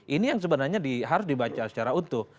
ini yang sebenarnya harus dibaca secara utuh